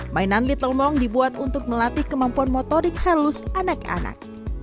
mainan little mong dibuat untuk melatih kemampuan motorik halus anak anak